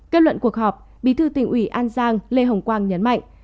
kết luận cuộc họp bí thư tỉnh ủy an giang lê hồng quang nhấn mạnh